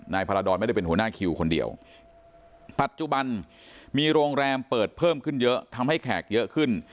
พาราดรไม่ได้เป็นหัวหน้าคิวคนเดียวปัจจุบันมีโรงแรมเปิดเพิ่มขึ้นเยอะทำให้แขกเยอะขึ้น